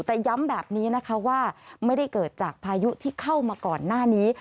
แต่ย้ำแบบนี้นะคะว่าไม่ได้เกิดจากพายุที่เข้ามาก่อนหน้านี้